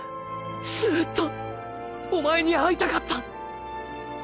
ずーっとお前に会いたかった。